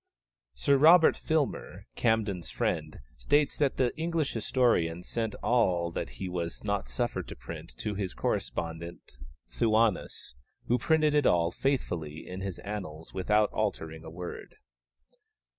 Sir Robert Filmer, Camden's friend, states that the English historian sent all that he was not suffered to print to his correspondent Thuanus, who printed it all faithfully in his annals without altering a word.